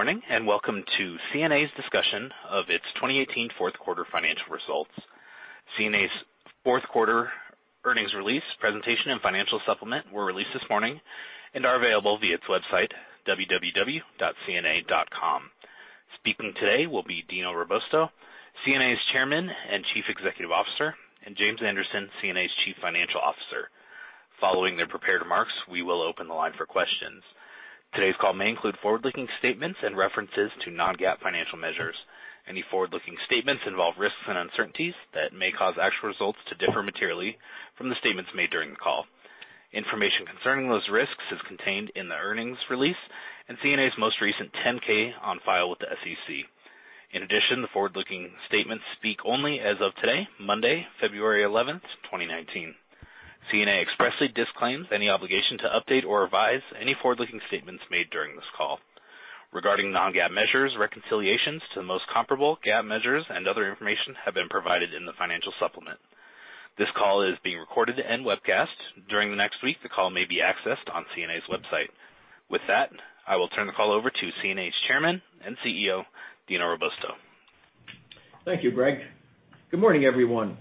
Good morning. Welcome to CNA's discussion of its 2018 fourth quarter financial results. CNA's fourth quarter earnings release presentation and financial supplement were released this morning and are available via its website, www.cna.com. Speaking today will be Dino Robusto, CNA's Chairman and Chief Executive Officer, and James Anderson, CNA's Chief Financial Officer. Following their prepared remarks, we will open the line for questions. Today's call may include forward-looking statements and references to non-GAAP financial measures. Any forward-looking statements involve risks and uncertainties that may cause actual results to differ materially from the statements made during the call. Information concerning those risks is contained in the earnings release and CNA's most recent 10-K on file with the SEC. The forward-looking statements speak only as of today, Monday, February 11th, 2019. CNA expressly disclaims any obligation to update or revise any forward-looking statements made during this call. Regarding non-GAAP measures, reconciliations to the most comparable GAAP measures and other information have been provided in the financial supplement. This call is being recorded and webcast. During the next week, the call may be accessed on CNA's website. With that, I will turn the call over to CNA's Chairman and CEO, Dino Robusto. Thank you, Greg. Good morning, everyone.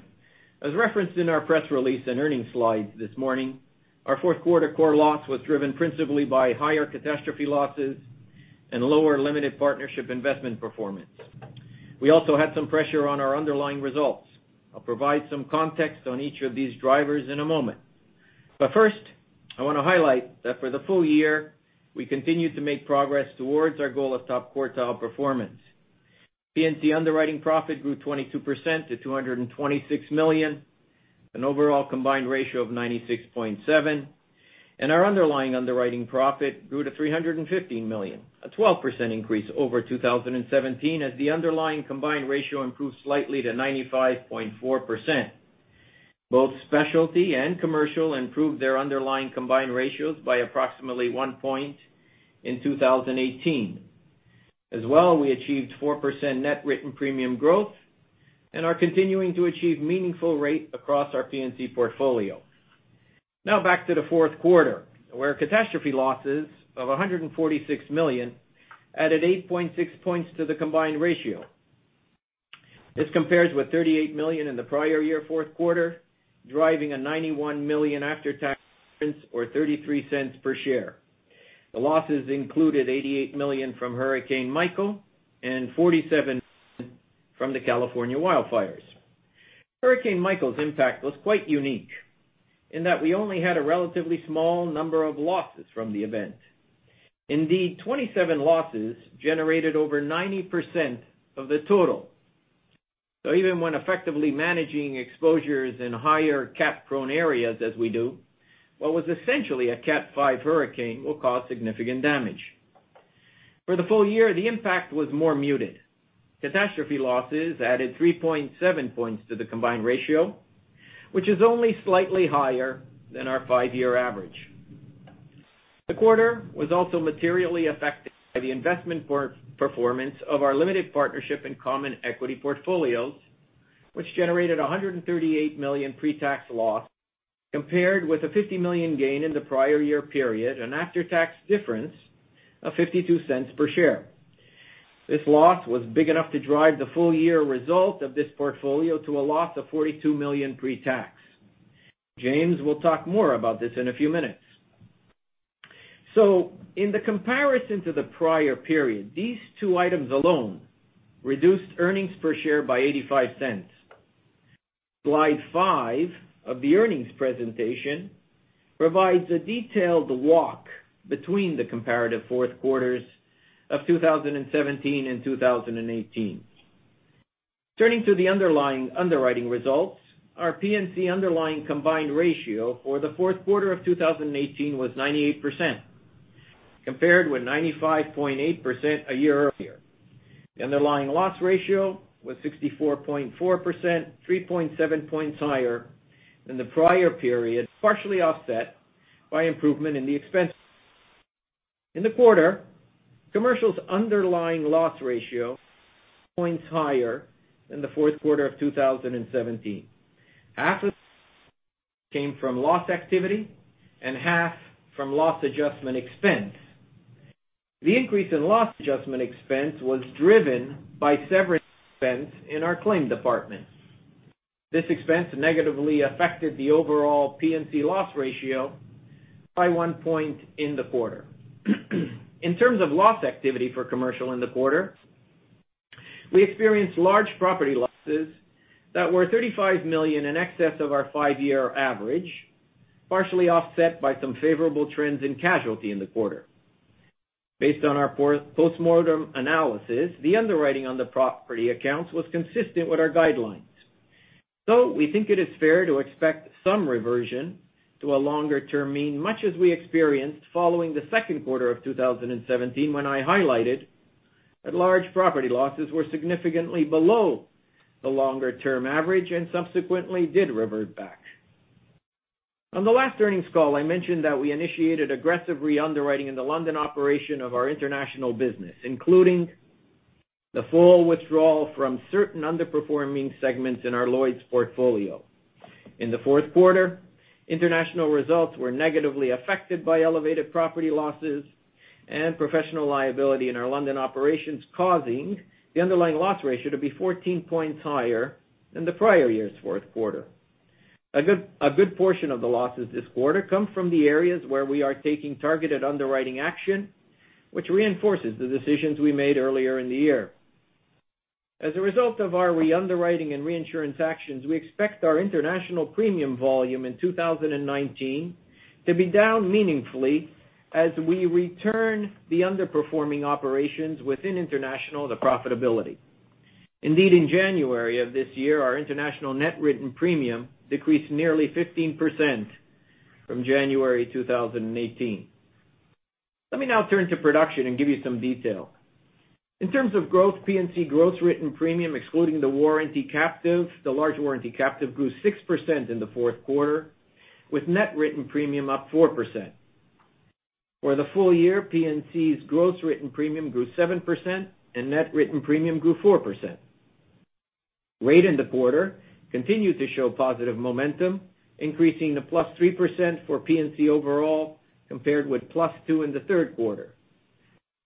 As referenced in our press release and earning slides this morning, our fourth quarter core loss was driven principally by higher catastrophe losses and lower limited partnership investment performance. We also had some pressure on our underlying results. I'll provide some context on each of these drivers in a moment. First, I want to highlight that for the full year, we continued to make progress towards our goal of top quartile performance. P&C underwriting profit grew 22% to $226 million, an overall combined ratio of 96.7, and our underlying underwriting profit grew to $315 million, a 12% increase over 2017 as the underlying combined ratio improved slightly to 95.4%. Both Specialty and Commercial improved their underlying combined ratios by approximately one point in 2018. We achieved 4% net written premium growth and are continuing to achieve meaningful rate across our P&C portfolio. Back to the fourth quarter, where catastrophe losses of $146 million added 8.6 points to the combined ratio. This compares with $38 million in the prior year fourth quarter, driving a $91 million after-tax or $0.33 per share. The losses included $88 million from Hurricane Michael and $47 million from the California wildfires. Hurricane Michael's impact was quite unique, in that we only had a relatively small number of losses from the event. Indeed, 27 losses generated over 90% of the total. Even when effectively managing exposures in higher cat-prone areas as we do, what was essentially a Cat 5 hurricane will cause significant damage. For the full year, the impact was more muted. Catastrophe losses added 3.7 points to the combined ratio, which is only slightly higher than our five-year average. The quarter was also materially affected by the investment performance of our limited partnership in common equity portfolios, which generated $138 million pre-tax loss, compared with a $50 million gain in the prior year period, an after-tax difference of $0.52 per share. This loss was big enough to drive the full-year result of this portfolio to a loss of $42 million pre-tax. James will talk more about this in a few minutes. In the comparison to the prior period, these two items alone reduced earnings per share by $0.85. Slide five of the earnings presentation provides a detailed walk between the comparative fourth quarters of 2017 and 2018. Turning to the underlying underwriting results, our P&C underlying combined ratio for the fourth quarter of 2018 was 98%, compared with 95.8% a year earlier. The underlying loss ratio was 64.4%, 3.7 points higher than the prior period, partially offset by improvement in the expense ratio. In the quarter, Commercial's underlying loss ratio points higher than the fourth quarter of 2017. Half of came from loss activity and half from loss adjustment expense. The increase in loss adjustment expense was driven by severance expense in our claim departments. This expense negatively affected the overall P&C loss ratio by one point in the quarter. In terms of loss activity for commercial in the quarter, we experienced large property losses that were $35 million in excess of our five-year average, partially offset by some favorable trends in casualty in the quarter. Based on our postmortem analysis, the underwriting on the property accounts was consistent with our guidelines. We think it is fair to expect some reversion to a longer-term mean, much as we experienced following the second quarter of 2017, when I highlighted that large property losses were significantly below the longer-term average and subsequently did revert back. On the last earnings call, I mentioned that we initiated aggressive re-underwriting in the London operation of our International business, including the full withdrawal from certain underperforming segments in our Lloyd's portfolio. In the fourth quarter, International results were negatively affected by elevated property losses and professional liability in our London operations, causing the underlying loss ratio to be 14 points higher than the prior year's fourth quarter. A good portion of the losses this quarter come from the areas where we are taking targeted underwriting action, which reinforces the decisions we made earlier in the year. As a result of our re-underwriting and reinsurance actions, we expect our international premium volume in 2019 to be down meaningfully as we return the underperforming operations within international to profitability. Indeed, in January of this year, our international net written premium decreased nearly 15% from January 2018. Let me now turn to production and give you some detail. In terms of growth, P&C gross written premium, excluding the large warranty captive, grew 6% in the fourth quarter, with net written premium up 4%. For the full year, P&C's gross written premium grew 7%, and net written premium grew 4%. Rate in the quarter continued to show positive momentum, increasing to +3% for P&C overall compared with +2% in the third quarter.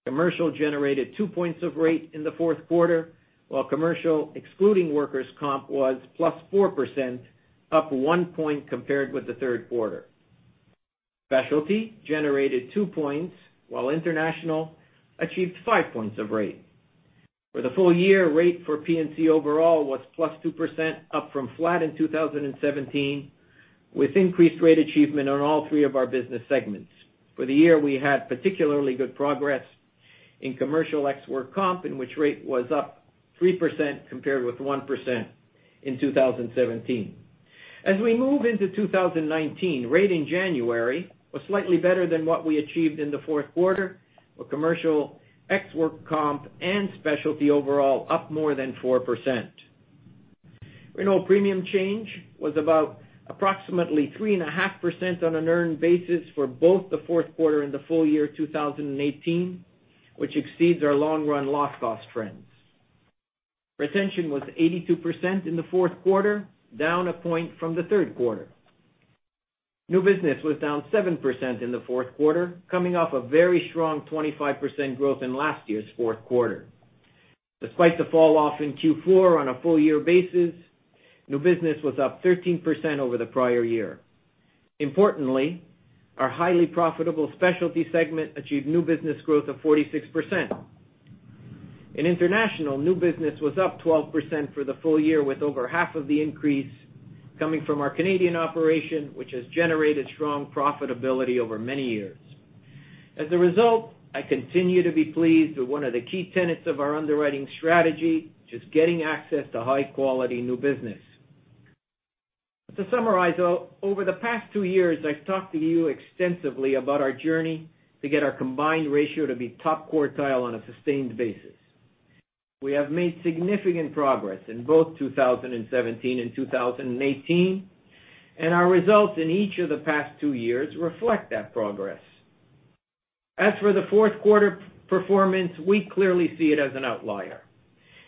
Commercial generated 2 points of rate in the fourth quarter, while commercial, excluding workers' comp, was +4%, up 1 point compared with the third quarter. Specialty generated 2 points, while international achieved 5 points of rate. For the full year, rate for P&C overall was +2%, up from flat in 2017, with increased rate achievement on all three of our business segments. For the year, we had particularly good progress in commercial ex-workers' comp, in which rate was up 3% compared with 1% in 2017. In 2019, rate in January was slightly better than what we achieved in the fourth quarter, with commercial ex-workers' comp and Specialty overall up more than 4%. Renewal premium change was approximately 3.5% on an earned basis for both the fourth quarter and the full year 2018, which exceeds our long-run loss cost trends. Retention was 82% in the fourth quarter, down 1 point from the third quarter. New business was down 7% in the fourth quarter, coming off a very strong 25% growth in last year's fourth quarter. Despite the fall-off in Q4 on a full year basis, new business was up 13% over the prior year. Importantly, our highly profitable Specialty segment achieved new business growth of 46%. In International, new business was up 12% for the full year, with over half of the increase coming from our Canadian operation, which has generated strong profitability over many years. I continue to be pleased with one of the key tenets of our underwriting strategy, which is getting access to high-quality new business. Over the past two years, I've talked to you extensively about our journey to get our combined ratio to be top quartile on a sustained basis. We have made significant progress in both 2017 and 2018, and our results in each of the past two years reflect that progress. The fourth quarter performance, we clearly see it as an outlier.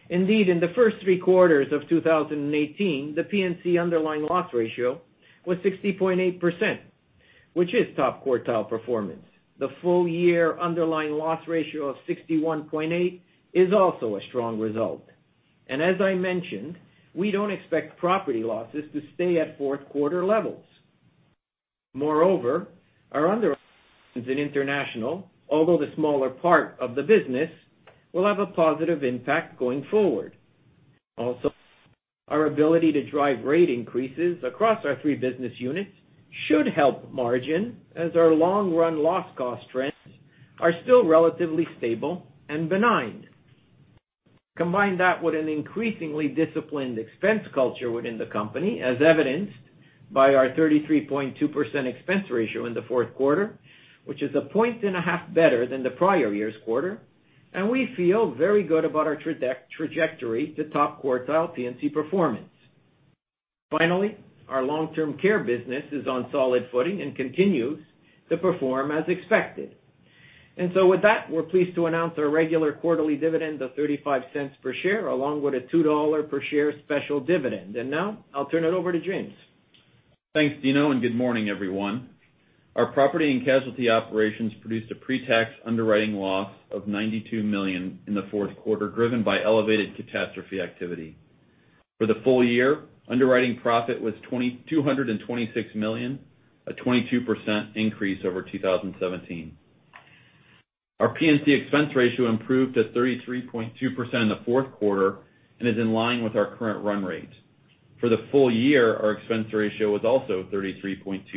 Indeed, in the first three quarters of 2018, the P&C underlying loss ratio was 60.8%, which is top quartile performance. The full-year underlying loss ratio of 61.8% is also a strong result. As I mentioned, we don't expect property losses to stay at fourth quarter levels. Moreover, our underwritings in International, although the smaller part of the business, will have a positive impact going forward. Our ability to drive rate increases across our three business units should help margin as our long-run loss cost trends are still relatively stable and benign. Combine that with an increasingly disciplined expense culture within the company, as evidenced by our 33.2% expense ratio in the fourth quarter, which is a point and a half better than the prior year's quarter, and we feel very good about our trajectory to top-quartile P&C performance. Our long-term care business is on solid footing and continues to perform as expected. With that, we're pleased to announce our regular quarterly dividend of $0.35 per share, along with a $2 per share special dividend. Now, I'll turn it over to James. Thanks, Dino, and good morning, everyone. Our property and casualty operations produced a pre-tax underwriting loss of $92 million in the fourth quarter, driven by elevated catastrophe activity. For the full year, underwriting profit was $226 million, a 22% increase over 2017. Our P&C expense ratio improved to 33.2% in the fourth quarter and is in line with our current run rate. For the full year, our expense ratio was also 33.2%,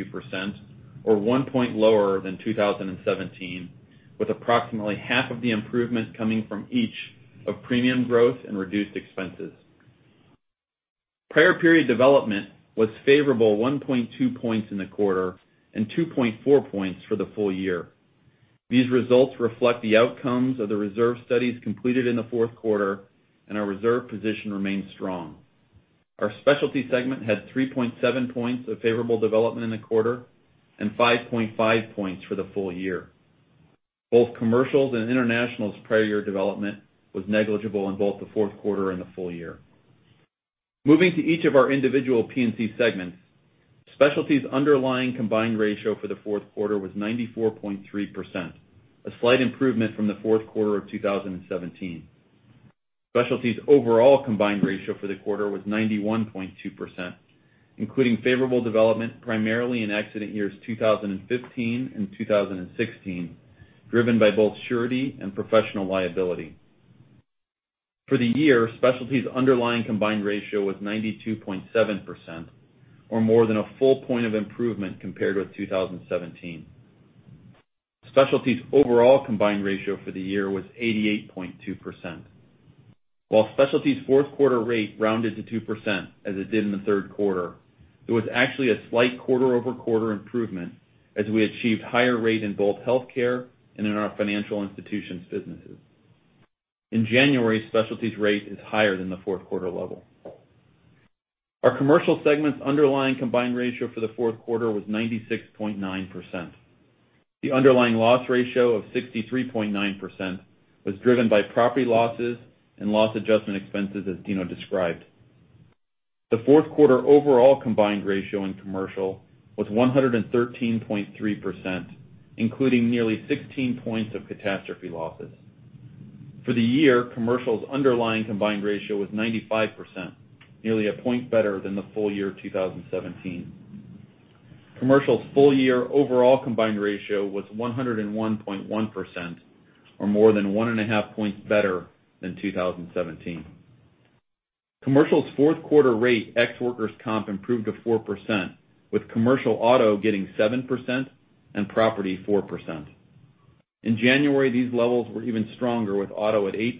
or one point lower than 2017, with approximately half of the improvement coming from each of premium growth and reduced expenses. Prior period development was favorable 1.2 points in the quarter and 2.4 points for the full year. These results reflect the outcomes of the reserve studies completed in the fourth quarter, and our reserve position remains strong. Our Specialty segment had 3.7 points of favorable development in the quarter, and 5.5 points for the full year. Both Commercial's and International's prior year development was negligible in both the fourth quarter and the full year. Moving to each of our individual P&C segments, Specialty's underlying combined ratio for the fourth quarter was 94.3%, a slight improvement from the fourth quarter of 2017. Specialty's overall combined ratio for the quarter was 91.2%, including favorable development primarily in accident years 2015 and 2016, driven by both surety and professional liability. For the year, Specialty's underlying combined ratio was 92.7%, or more than a full point of improvement compared with 2017. Specialty's overall combined ratio for the year was 88.2%. While Specialty's fourth quarter rate rounded to 2% as it did in the third quarter, it was actually a slight quarter-over-quarter improvement as we achieved higher rate in both healthcare and in our financial institutions businesses. In January, Specialty's rate is higher than the fourth quarter level. Our Commercial segment's underlying combined ratio for the fourth quarter was 96.9%. The underlying loss ratio of 63.9% was driven by property losses and loss adjustment expenses, as Dino described. The fourth quarter overall combined ratio in Commercial was 113.3%, including nearly 16 points of catastrophe losses. For the year, Commercial's underlying combined ratio was 95%, nearly a point better than the full year 2017. Commercial's full year overall combined ratio was 101.1%, or more than one and a half points better than 2017. Commercial's fourth quarter rate ex workers' comp improved to 4%, with commercial auto getting 7% and property 4%. In January, these levels were even stronger, with auto at 8%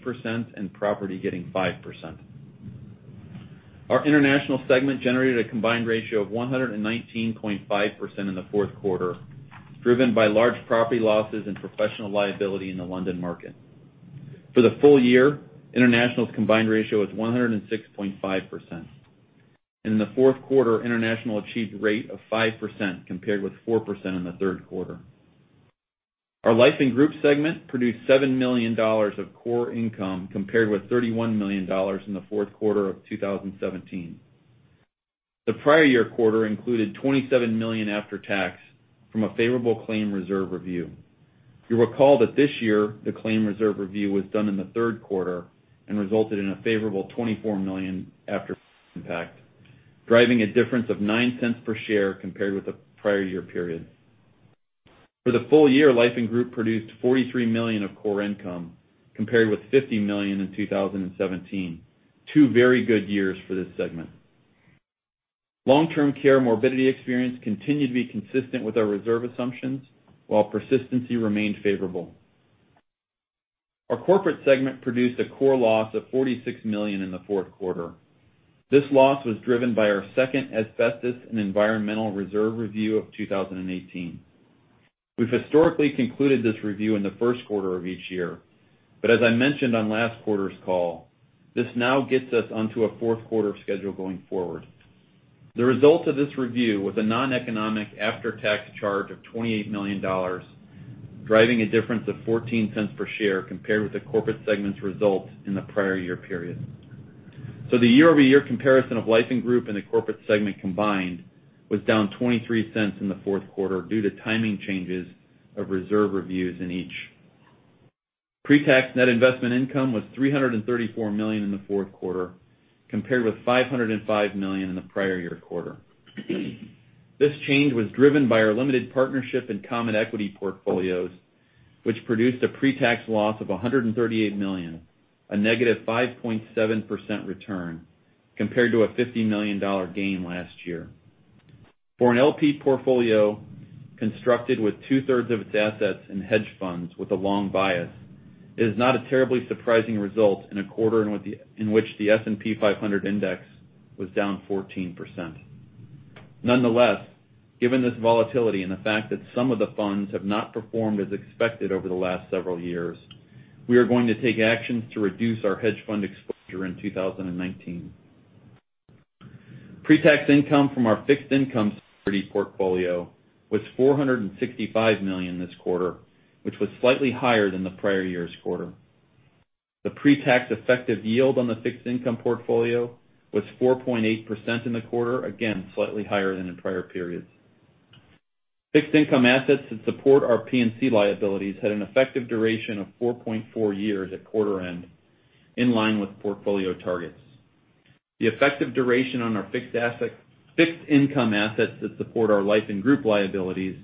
and property getting 5%. Our International segment generated a combined ratio of 119.5% in the fourth quarter, driven by large property losses and professional liability in the London market. For the full year, International's combined ratio is 106.5%. In the fourth quarter, International achieved rate of 5%, compared with 4% in the third quarter. Our Life and Group segment produced $7 million of core income, compared with $31 million in the fourth quarter of 2017. The prior year quarter included $27 million after tax from a favorable claim reserve review. You'll recall that this year, the claim reserve review was done in the third quarter and resulted in a favorable $24 million after impact, driving a difference of $0.09 per share compared with the prior year period. For the full year, Life and Group produced $43 million of core income, compared with $50 million in 2017. Two very good years for this segment. Long-term care morbidity experience continued to be consistent with our reserve assumptions, while persistency remained favorable. Our corporate segment produced a core loss of $46 million in the fourth quarter. This loss was driven by our second asbestos and environmental reserve review of 2018. As I mentioned on last quarter's call, this now gets us onto a fourth quarter schedule going forward. The result of this review was a noneconomic after-tax charge of $28 million, driving a difference of $0.14 per share compared with the corporate segment's results in the prior year period. The year-over-year comparison of life and group and the corporate segment combined was down $0.23 in the fourth quarter due to timing changes of reserve reviews in each. Pre-tax net investment income was $334 million in the fourth quarter, compared with $505 million in the prior year quarter. This change was driven by our limited partnership in common equity portfolios, which produced a pre-tax loss of $138 million, a negative 5.7% return, compared to a $50 million gain last year. For an LP portfolio constructed with two-thirds of its assets in hedge funds with a long bias, it is not a terribly surprising result in a quarter in which the S&P 500 index was down 14%. Nonetheless, given this volatility and the fact that some of the funds have not performed as expected over the last several years, we are going to take actions to reduce our hedge fund exposure in 2019. Pre-tax income from our fixed income security portfolio was $465 million this quarter, which was slightly higher than the prior year's quarter. The pre-tax effective yield on the fixed income portfolio was 4.8% in the quarter, again, slightly higher than in prior periods. Fixed income assets that support our P&C liabilities had an effective duration of 4.4 years at quarter end, in line with portfolio targets. The effective duration on our fixed income assets that support our life and group liabilities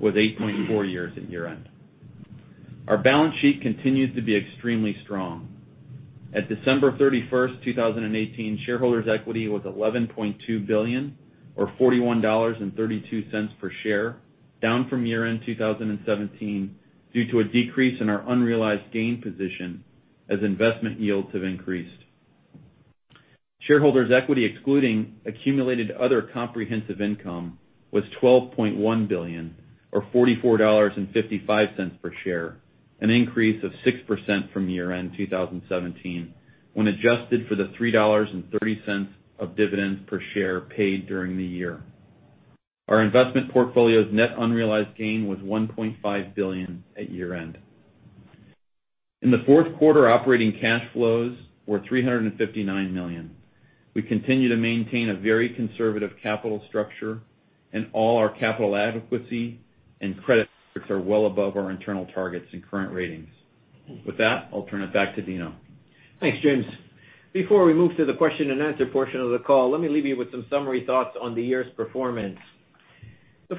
was 8.4 years at year end. Our balance sheet continues to be extremely strong. At December 31st, 2018, shareholders' equity was $11.2 billion, or $41.32 per share, down from year-end 2017 due to a decrease in our unrealized gain position as investment yields have increased. Shareholders' equity excluding accumulated other comprehensive income was $12.1 billion or $44.55 per share, an increase of 6% from year-end 2017 when adjusted for the $3.30 of dividends per share paid during the year. Our investment portfolio's net unrealized gain was $1.5 billion at year-end. In the fourth quarter, operating cash flows were $359 million. We continue to maintain a very conservative capital structure, and all our capital adequacy and credit are well above our internal targets and current ratings. With that, I'll turn it back to Dino. Thanks, James. The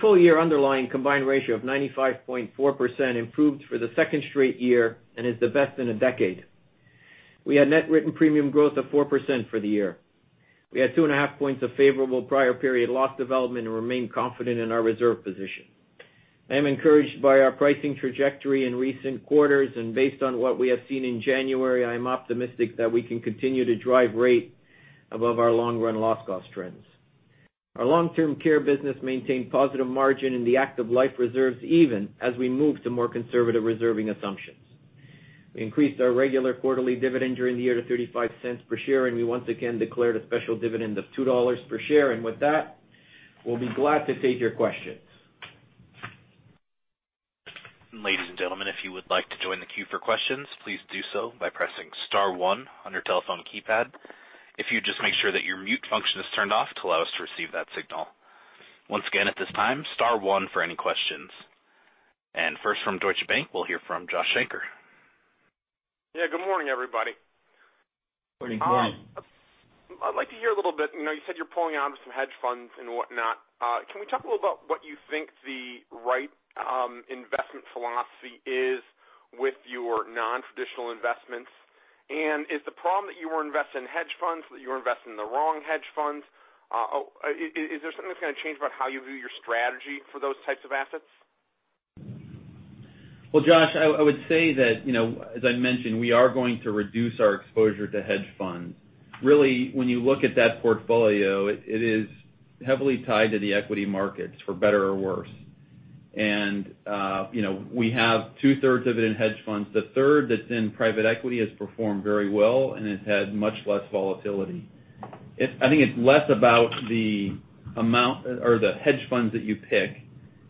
full year underlying combined ratio of 95.4% improved for the second straight year and is the best in a decade. We had net written premium growth of 4% for the year. We had 2.5 points of favorable prior period loss development and remain confident in our reserve position. I am encouraged by our pricing trajectory in recent quarters. Based on what we have seen in January, I am optimistic that we can continue to drive rate above our long-run loss cost trends. Our long-term care business maintained positive margin in the active life reserves, even as we move to more conservative reserving assumptions. We increased our regular quarterly dividend during the year to $0.35 per share, and we once again declared a special dividend of $2 per share. With that, we'll be glad to take your questions. Ladies and gentlemen, if you would like to join the queue for questions, please do so by pressing *1 on your telephone keypad. If you'd just make sure that your mute function is turned off to allow us to receive that signal. Once again, at this time, *1 for any questions. First from Deutsche Bank, we'll hear from Josh Shanker. Yeah, good morning, everybody. Morning. I'd like to hear a little bit, you said you're pulling out of some hedge funds and whatnot. Can we talk a little about what you think the right investment philosophy is with your non-traditional investments? Is the problem that you were investing in hedge funds, that you were investing in the wrong hedge funds? Is there something that's going to change about how you view your strategy for those types of assets? Well, Josh, I would say that, as I mentioned, we are going to reduce our exposure to hedge funds. Really, when you look at that portfolio, it is heavily tied to the equity markets, for better or worse. We have two-thirds of it in hedge funds. The third that's in private equity has performed very well and it has much less volatility. I think it's less about the amount or the hedge funds that you pick,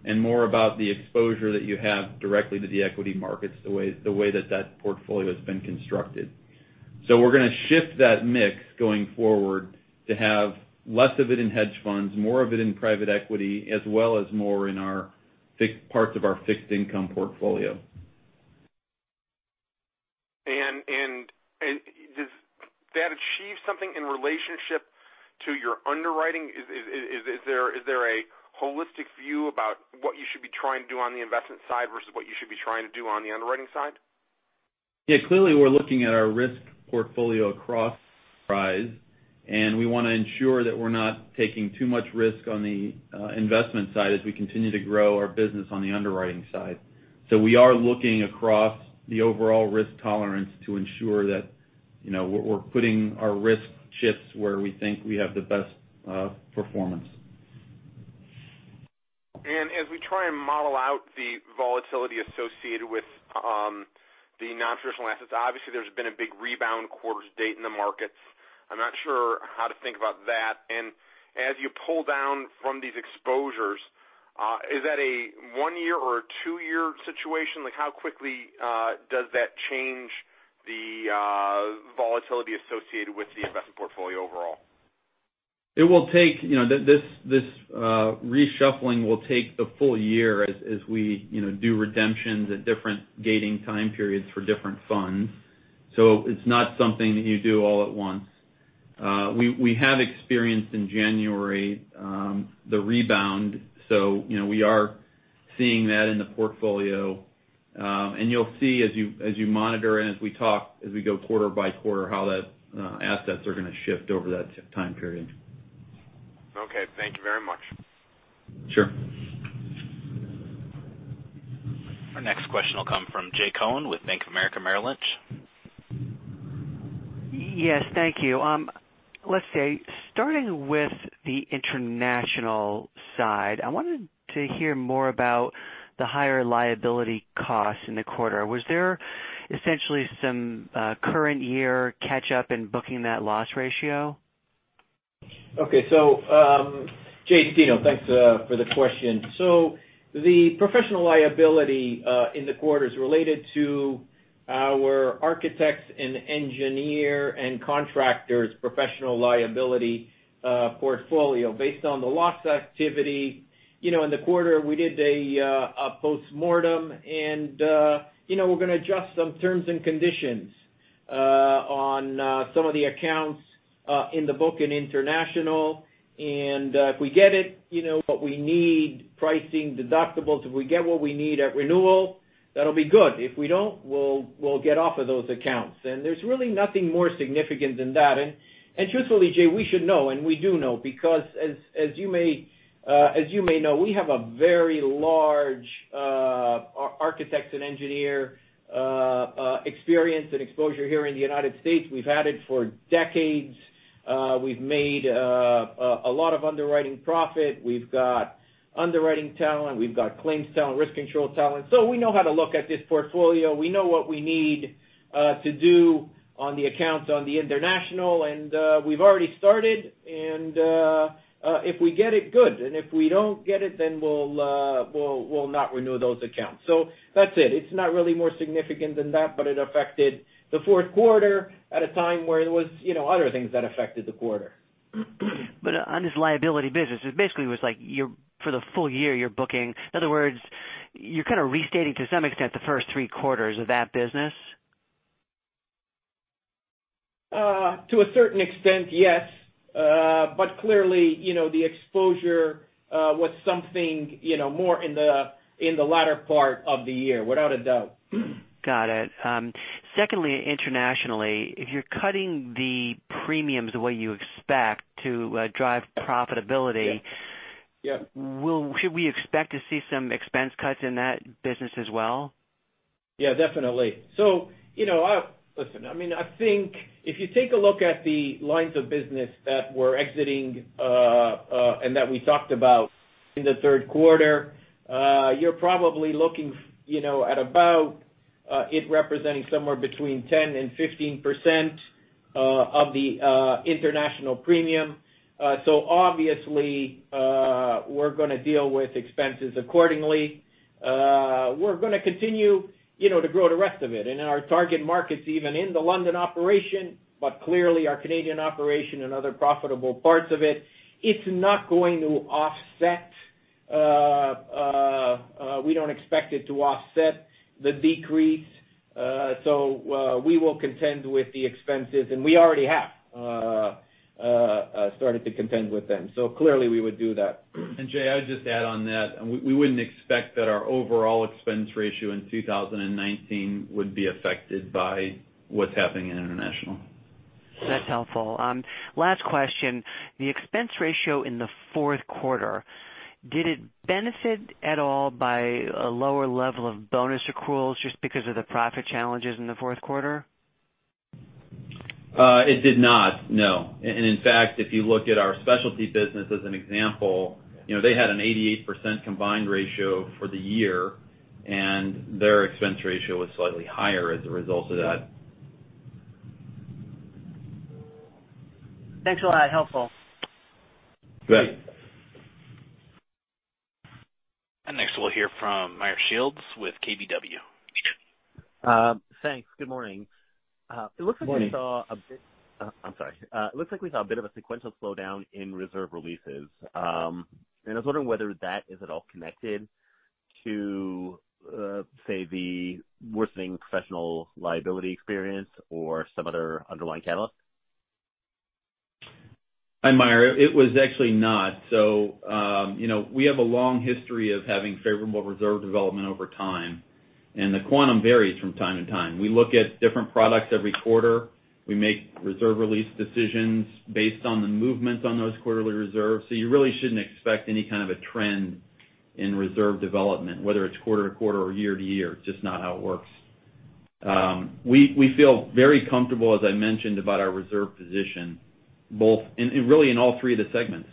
and more about the exposure that you have directly to the equity markets, the way that portfolio's been constructed. We're going to shift that mix going forward to have less of it in hedge funds, more of it in private equity, as well as more in parts of our fixed income portfolio. Does that achieve something in relationship to your underwriting? Is there a holistic view about what you should be trying to do on the investment side versus what you should be trying to do on the underwriting side? Yeah, clearly we're looking at our risk portfolio across price, and we want to ensure that we're not taking too much risk on the investment side as we continue to grow our business on the underwriting side. We are looking across the overall risk tolerance to ensure that we're putting our risk shifts where we think we have the best performance. As we try and model out the volatility associated with the non-traditional assets, obviously there's been a big rebound quarter-to-date in the markets. I'm not sure how to think about that. As you pull down from these exposures, is that a one year or a two year situation? Like how quickly does that change the volatility associated with the investment portfolio overall? This reshuffling will take the full year as we do redemptions at different gating time periods for different funds. It's not something that you do all at once. We have experienced in January the rebound, so we are seeing that in the portfolio. You'll see as you monitor and as we talk, as we go quarter by quarter, how that assets are going to shift over that time period. Okay, thank you very much. Sure. Our next question will come from Jay Cohen with Bank of America Merrill Lynch. Yes, thank you. Let's say, starting with the international side, I wanted to hear more about the higher liability costs in the quarter. Was there essentially some current year catch up in booking that loss ratio? Okay. Jay, it's Dino. Thanks for the question. The professional liability in the quarter is related to our architects and engineers and contractors professional liability portfolio based on the loss activity. In the quarter, we did a postmortem and we're going to adjust some terms and conditions on some of the accounts in the book in international. If we get it, what we need, pricing, deductibles, if we get what we need at renewal, that'll be good. If we don't, we'll get off of those accounts. There's really nothing more significant than that. Truthfully, Jay, we should know and we do know because as you may know, we have a very large architects and engineers experience and exposure here in the U.S. We've had it for decades. We've made a lot of underwriting profit. We've got underwriting talent. We've got claims talent, risk control talent. We know how to look at this portfolio. We know what we need to do on the accounts on the international, we've already started. If we get it, good, if we don't get it, we'll not renew those accounts. That's it. It's not really more significant than that, it affected the fourth quarter at a time where there was other things that affected the quarter. On this liability business, it basically was like for the full year, you're booking. In other words, you're kind of restating to some extent the first three quarters of that business? To a certain extent, yes. Clearly, the exposure was something more in the latter part of the year, without a doubt. Got it. Secondly, internationally, if you're cutting the premiums the way you expect to drive profitability- Yes should we expect to see some expense cuts in that business as well? Definitely. Listen, I think if you take a look at the lines of business that we're exiting and that we talked about in the third quarter, you're probably looking at about it representing somewhere between 10% and 15% of the international premium. Obviously, we're going to deal with expenses accordingly. We're going to continue to grow the rest of it in our target markets, even in the London operation, but clearly our Canadian operation and other profitable parts of it. It's not going to offset. We don't expect it to offset the decrease. We will contend with the expenses, and we already have started to contend with them. Clearly we would do that. Jay, I would just add on that, we wouldn't expect that our overall expense ratio in 2019 would be affected by what's happening in international. That's helpful. Last question. The expense ratio in the fourth quarter, did it benefit at all by a lower level of bonus accruals just because of the profit challenges in the fourth quarter? It did not, no. In fact, if you look at our specialty business as an example, they had an 88% combined ratio for the year, and their expense ratio was slightly higher as a result of that. Thanks a lot. Helpful. You bet. Next we'll hear from Meyer Shields with KBW. Thanks. Good morning. Good morning. I'm sorry. It looks like we saw a bit of a sequential slowdown in reserve releases. I was wondering whether that is at all connected to, say, the worsening professional liability experience or some other underlying catalyst. Hi, Meyer. It was actually not. We have a long history of having favorable reserve development over time, the quantum varies from time to time. We look at different products every quarter. We make reserve release decisions based on the movements on those quarterly reserves. You really shouldn't expect any kind of a trend in reserve development, whether it's quarter-to-quarter or year-to-year. It's just not how it works. We feel very comfortable, as I mentioned, about our reserve position, both in really in all three of the segments.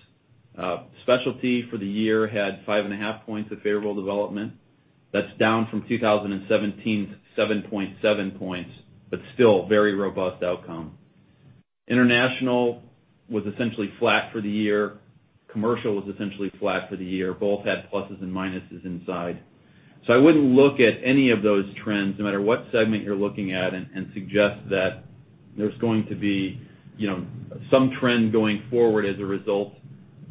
Specialty for the year had five and a half points of favorable development. That's down from 2017's 7.7 points, but still very robust outcome. International was essentially flat for the year. Commercial was essentially flat for the year. Both had pluses and minuses inside. I wouldn't look at any of those trends, no matter what segment you're looking at, and suggest that there's going to be some trend going forward as a result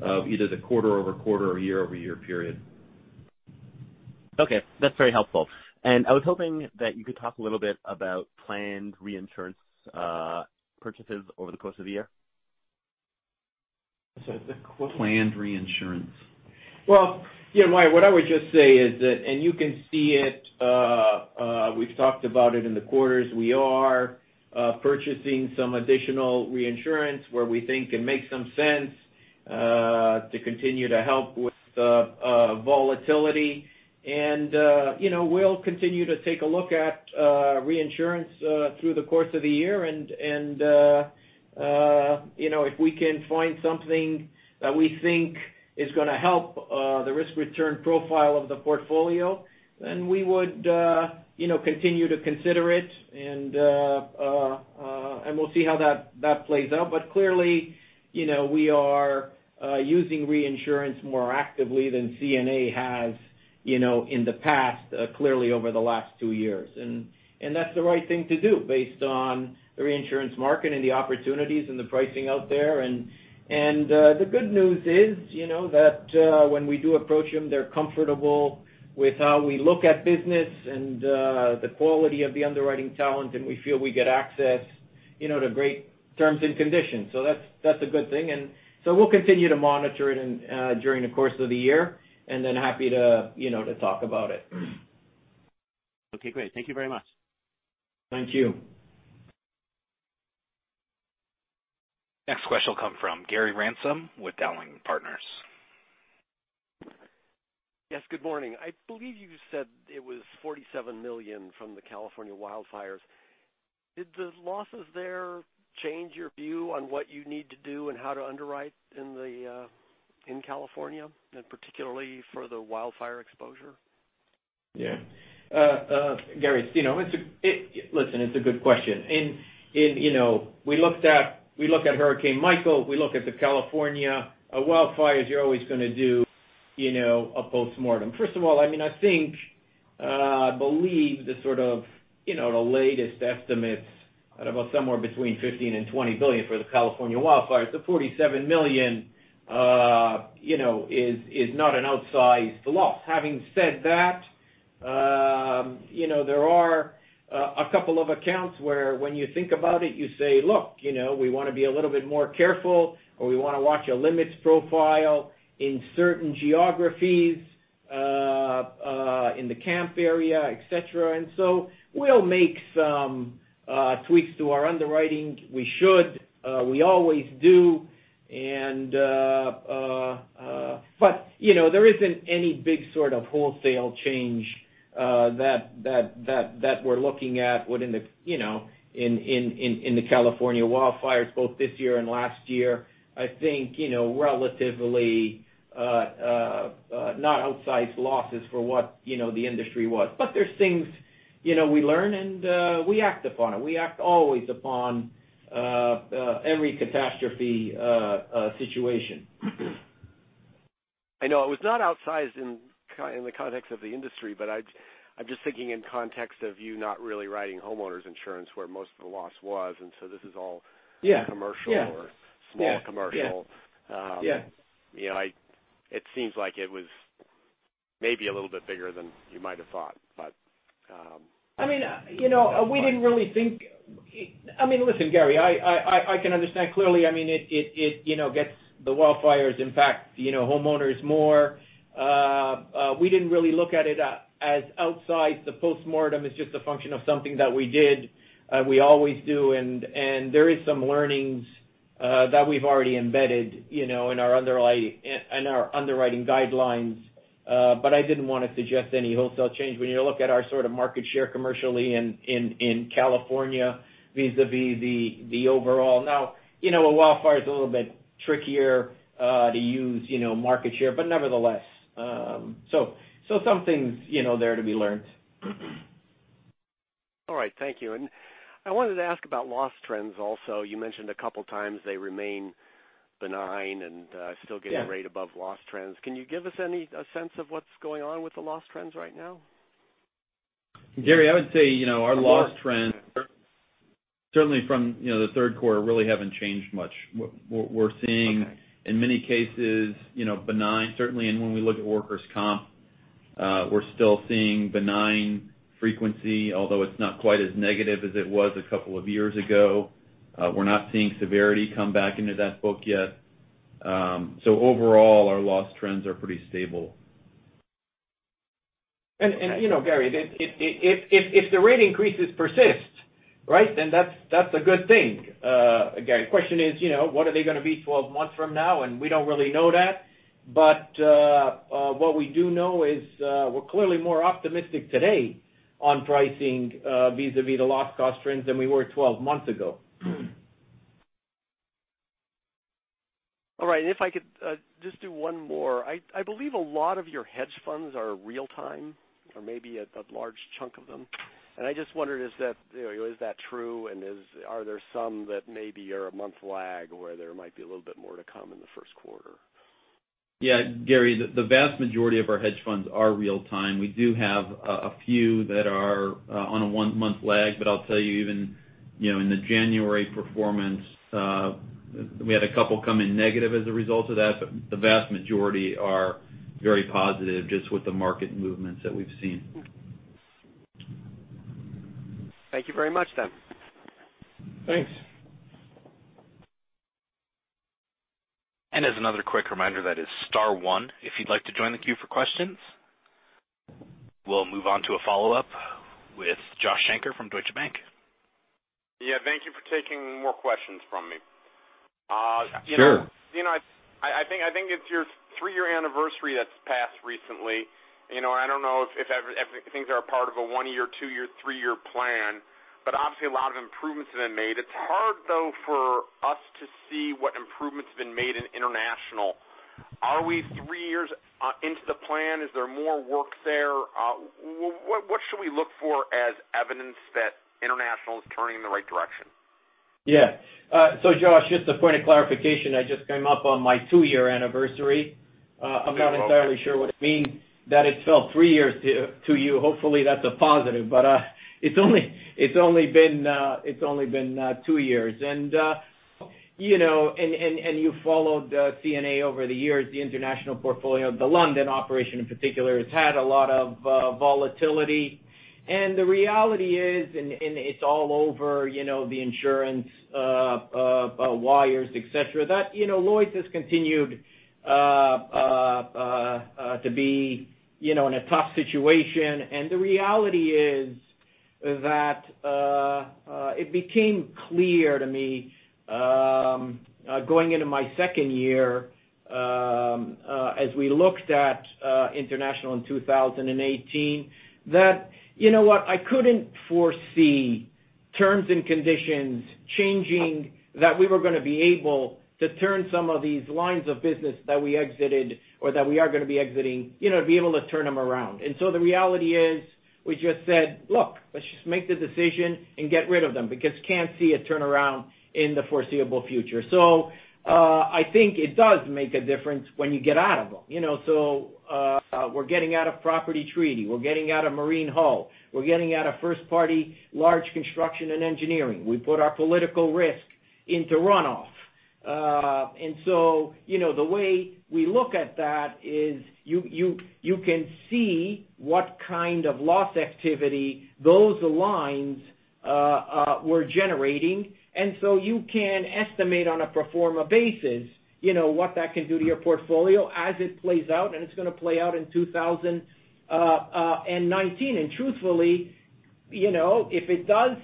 of either the quarter-over-quarter or year-over-year period. Okay, that's very helpful. I was hoping that you could talk a little bit about planned reinsurance purchases over the course of the year. Sorry, the what? Planned reinsurance. Well, yeah, Meyer, what I would just say is that, and you can see it, we've talked about it in the quarters, we are purchasing some additional reinsurance where we think it makes some sense, to continue to help with the volatility. We'll continue to take a look at reinsurance through the course of the year and if we can find something that we think is going to help the risk-return profile of the portfolio, then we would continue to consider it, and we'll see how that plays out. Clearly, we are using reinsurance more actively than CNA has in the past, clearly over the last two years. That's the right thing to do based on the reinsurance market and the opportunities and the pricing out there. The good news is that when we do approach them, they're comfortable with how we look at business and the quality of the underwriting talent, and we feel we get access to great terms and conditions. That's a good thing. We'll continue to monitor it during the course of the year and then happy to talk about it. Okay, great. Thank you very much. Thank you. Next question will come from Gary Ransom with Dowling & Partners. Yes, good morning. I believe you said it was $47 million from the California wildfires. Did the losses there- Change your view on what you need to do and how to underwrite in California, particularly for the wildfire exposure? Yeah. Gary, listen, it's a good question. We look at Hurricane Michael, we look at the California wildfires, you're always going to do a postmortem. First of all, I think, I believe the latest estimates at about somewhere between $15 billion-$20 billion for the California wildfires, the $47 million is not an outsized loss. Having said that, there are a couple of accounts where when you think about it, you say, "Look, we want to be a little bit more careful, or we want to watch a limits profile in certain geographies, in the Camp Fire, et cetera." So we'll make some tweaks to our underwriting. We should, we always do. There isn't any big wholesale change that we're looking at within the California wildfires, both this year and last year. I think relatively not outsized losses for what the industry was. There's things we learn, and we act upon it. We act always upon every catastrophe situation. I know it was not outsized in the context of the industry, I'm just thinking in context of you not really riding homeowners insurance where most of the loss was. Yeah commercial or small commercial. Yeah. It seems like it was maybe a little bit bigger than you might have thought. We didn't really think Listen, Gary, I can understand clearly, it gets the wildfires, impact homeowners more. We didn't really look at it as outside the postmortem. It's just a function of something that we did, we always do, and there is some learnings that we've already embedded in our underwriting guidelines. I didn't want to suggest any wholesale change. When you look at our sort of market share commercially in California vis-a-vis the overall. Now, a wildfire is a little bit trickier to use market share, but nevertheless. Something's there to be learned. All right, thank you. I wanted to ask about loss trends also. You mentioned a couple times they remain benign and still getting rate above loss trends. Can you give us a sense of what's going on with the loss trends right now? Gary, I would say our loss trends certainly from the third quarter really haven't changed much. What we're seeing. Okay In many cases benign, certainly, and when we look at workers' comp, we're still seeing benign frequency, although it's not quite as negative as it was a couple of years ago. We're not seeing severity come back into that book yet. Overall, our loss trends are pretty stable. Gary, if the rate increases persist, then that's a good thing. Again, question is, what are they going to be 12 months from now? We don't really know that, but what we do know is we're clearly more optimistic today on pricing vis-a-vis the loss cost trends than we were 12 months ago. All right. If I could just do one more. I believe a lot of your hedge funds are real-time or maybe a large chunk of them. I just wondered, is that true, and are there some that maybe are a month lag where there might be a little bit more to come in the first quarter? Gary, the vast majority of our hedge funds are real time. We do have a few that are on a one-month lag, but I'll tell you, even in the January performance, we had a couple come in negative as a result of that. The vast majority are very positive just with the market movements that we've seen. Thank you very much, then. Thanks. As another quick reminder, that is star one if you'd like to join the queue for questions. We'll move on to a follow-up with Josh Shanker from Deutsche Bank. Thank you for taking more questions from me. Sure. I think it's your three-year anniversary that's passed recently. I don't know if things are a part of a one-year, two-year, three-year plan, but obviously a lot of improvements have been made. It's hard, though, for us to see what improvements have been made in international. Are we three years into the plan? Is there more work there? What should we look for as evidence that international is turning in the right direction? Yeah. Josh, just a point of clarification. I just came up on my two-year anniversary. I'm not entirely sure what it means that it felt three years to you. Hopefully, that's a positive, but it's only been two years. You followed CNA over the years, the international portfolio, the London operation in particular, has had a lot of volatility. The reality is, and it's all over the insurance wires, et cetera, that Lloyd's has continued to be in a tough situation. The reality is that it became clear to me, going into my second year, as we looked at international in 2018, that you know what? I couldn't foresee terms and conditions changing, that we were going to be able to turn some of these lines of business that we exited or that we are going to be exiting, to be able to turn them around. The reality is, we just said: Look, let's just make the decision and get rid of them, because can't see a turnaround in the foreseeable future. I think it does make a difference when you get out of them. We're getting out of property treaty. We're getting out of marine hull. We're getting out of first-party large construction and engineering. We put our political risk into runoff. The way we look at that is you can see what kind of loss activity those lines were generating. You can estimate on a pro forma basis, what that can do to your portfolio as it plays out, and it's going to play out in 2019. Truthfully, if it does,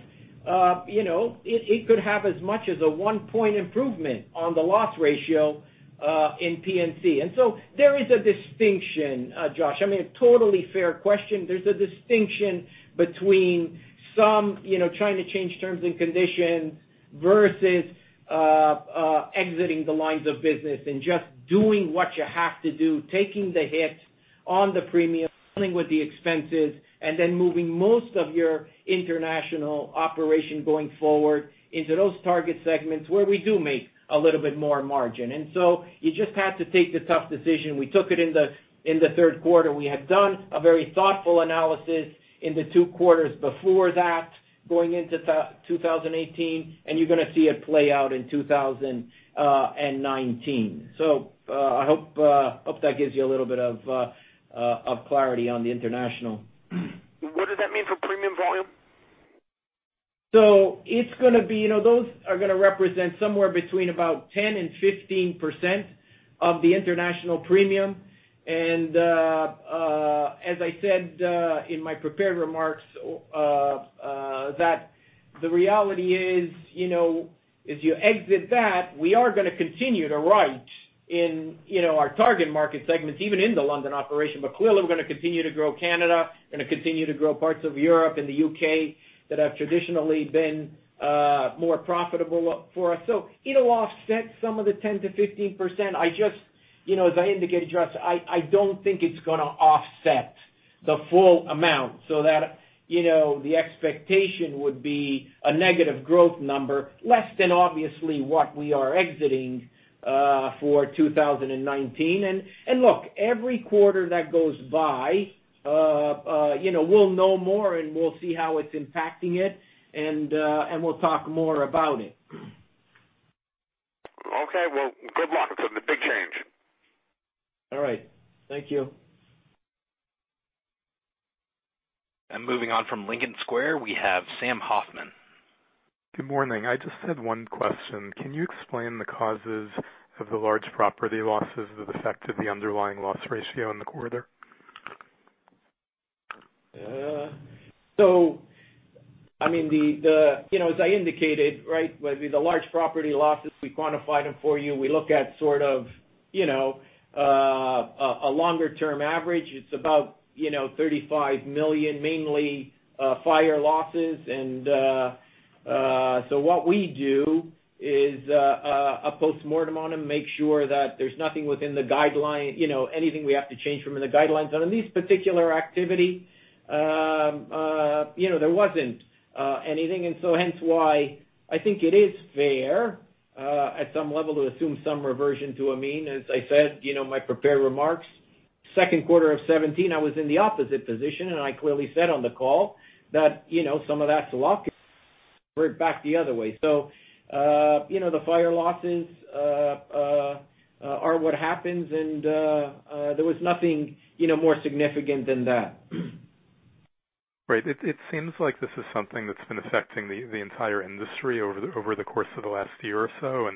it could have as much as a one-point improvement on the loss ratio in P&C. There is a distinction, Josh. A totally fair question. There's a distinction between trying to change terms and conditions versus exiting the lines of business and just doing what you have to do, taking the hit on the premium, dealing with the expenses, and then moving most of your international operation going forward into those target segments where we do make a little bit more margin. You just have to take the tough decision. We took it in the third quarter. We had done a very thoughtful analysis in the two quarters before that, going into 2018, and you're going to see it play out in 2019. I hope that gives you a little bit of clarity on the international. What does that mean for premium volume? Those are going to represent somewhere between about 10% and 15% of the international premium. As I said in my prepared remarks that the reality is, as you exit that, we are going to continue to write in our target market segments, even in the London operation. Clearly, we're going to continue to grow Canada, going to continue to grow parts of Europe and the U.K. that have traditionally been more profitable for us. It'll offset some of the 10%-15%. As I indicated, Josh, I don't think it's going to offset the full amount, that the expectation would be a negative growth number, less than obviously what we are exiting for 2019. Look, every quarter that goes by, we'll know more, and we'll see how it's impacting it, and we'll talk more about it. Okay. Well, good luck with the big change. All right. Thank you. Moving on from Lincoln Square, we have Sam Hoffman. Good morning. I just had one question. Can you explain the causes of the large property losses that affect the underlying loss ratio in the quarter? As I indicated, the large property losses, we quantified them for you. We look at sort of a longer-term average. It's about $35 million, mainly fire losses. What we do is a postmortem on them, make sure that there's anything we have to change from the guidelines. On this particular activity, there wasn't anything, and so hence why I think it is fair at some level to assume some reversion to a mean, as I said, my prepared remarks. Second quarter of 2017, I was in the opposite position, and I clearly said on the call that some of that's luck, it can revert back the other way. The fire losses are what happens, and there was nothing more significant than that. Right. It seems like this is something that's been affecting the entire industry over the course of the last year or so,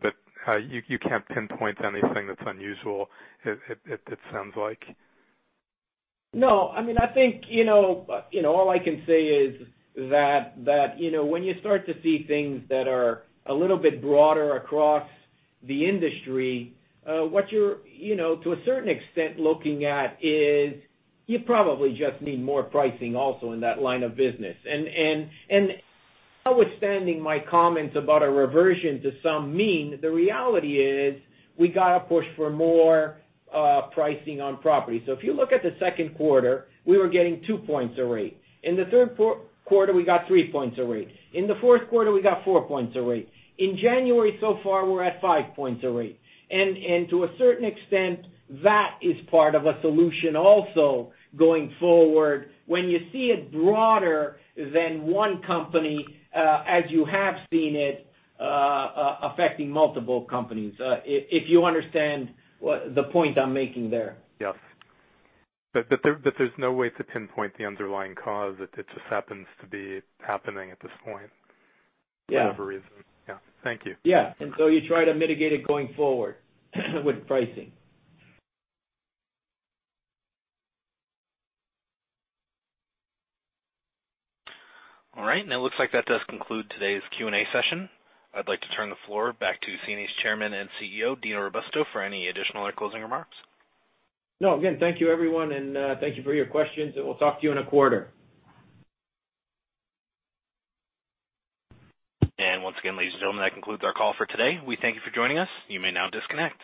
but you can't pinpoint anything that's unusual it sounds like. No. All I can say is that when you start to see things that are a little bit broader across the industry, what you're to a certain extent looking at is you probably just need more pricing also in that line of business. Notwithstanding my comments about a reversion to some mean, the reality is we got to push for more pricing on property. If you look at the second quarter, we were getting two points a rate. In the third quarter, we got three points a rate. In the fourth quarter, we got four points a rate. In January so far, we're at five points a rate. To a certain extent, that is part of a solution also going forward when you see it broader than one company as you have seen it affecting multiple companies. If you understand the point I'm making there. Yes. There's no way to pinpoint the underlying cause. It just happens to be happening at this point. Yeah. Whatever reason. Yeah. Thank you. Yeah. You try to mitigate it going forward with pricing. All right. It looks like that does conclude today's Q&A session. I'd like to turn the floor back to CNA's Chairman and CEO, Dino Robusto, for any additional or closing remarks. No, again, thank you everyone, and thank you for your questions, and we'll talk to you in a quarter. Once again, ladies and gentlemen, that concludes our call for today. We thank you for joining us. You may now disconnect.